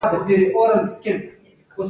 دا درک ور سره نشته